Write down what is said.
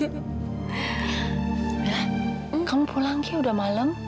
mila kamu pulang ya udah malam